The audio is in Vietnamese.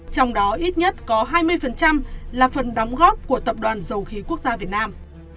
trong đó ít nhất có hai mươi là phần đóng góp của tập đoàn dầu khí quốc gia việt nam